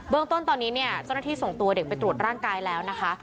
เรื่องต้นตอนนี้เนี่ยเจ้าหน้าที่ส่งตัวเด็กไปตรวจร่างกายแล้วนะคะ